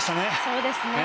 そうですね。